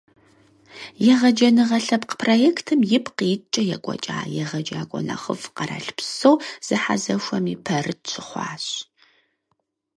«Егъэджэныгъэ» лъэпкъ проектым ипкъ иткӀэ екӀуэкӀа «егъэджакӀуэ нэхъыфӀ» къэралпсо зэхьэзэхуэми пэрыт щыхъуащ.